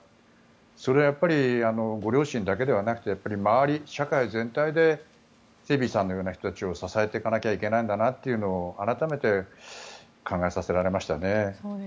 それはご両親だけではなくて周り、社会全体でセビーさんのような人たちを支えていかなきゃいけないんだなというのを改めて考えさせられましたね。